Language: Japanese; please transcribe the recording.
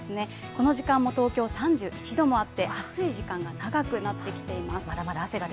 この時間、東京、３１度もあって暑い時間が長くなってきています。